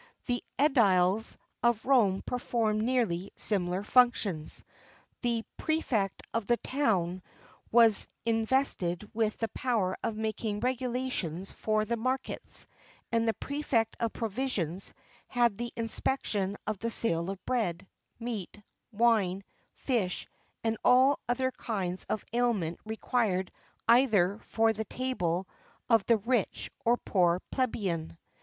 [XXX 8] The ediles of Rome performed nearly similar functions.[XXX 9] The prefect of the town was invested with the power of making regulations for the markets,[XXX 10] and the prefect of provisions had the inspection of the sale of bread, meat, wine, fish, and all other kinds of aliment required either for the table of the rich or poor plebeian.